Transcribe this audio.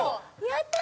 やった！